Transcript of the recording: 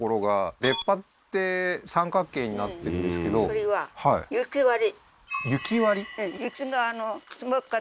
それは雪割り？